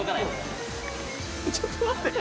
ちょっと待って。